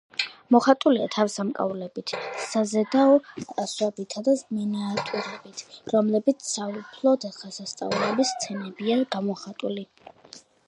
მოხატულია თავსამკაულებით, საზედაო ასოებითა და მინიატიურებით, რომლებზეც საუფლო დღესასწაულების სცენებია გამოსახული.